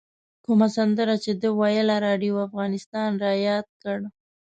کومه سندره چې ده ویله راډیو افغانستان رایاد کړ.